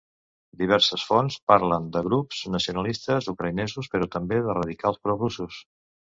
Diverses fonts parlen de grups nacionalistes ucraïnesos però també de radicals pro-russos.